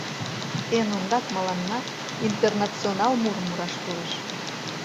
Эн ондак мыланна «Интернационал» мурым мураш кӱлеш.